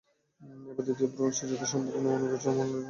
এবার দ্বিতীয় ব্রোঞ্জটা জেতা সম্ভব মনে করছেন অমল রায়, রঞ্জন রামরা।